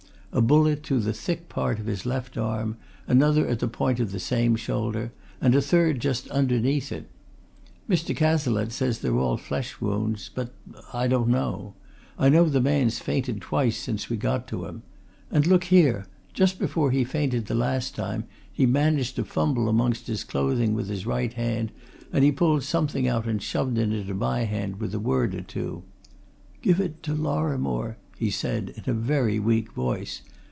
a bullet through the thick part of his left arm, another at the point of the same shoulder, and a third just underneath it. Mr. Cazalette says they're all flesh wounds but I don't know: I know the man's fainted twice since we got to him. And look here! just before he fainted the last time, he managed to fumble amongst his clothing with his right hand and he pulled something out and shoved it into my hand with a word or two. 'Give it Lorrimore,' he said, in a very weak voice.